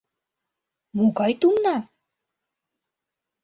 Могай тумна?